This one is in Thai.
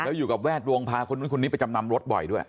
แล้วอยู่กับแวดดวงพาคุณนิดไปจำนำรถบ่อยด้วย